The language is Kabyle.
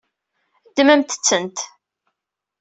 Ddmemt-tent.